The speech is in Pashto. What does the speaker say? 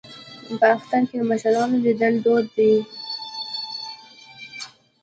په اختر کې د مشرانو لیدل دود دی.